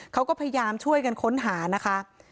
เขาก็พยายามช่วยกันค้นหานะคะ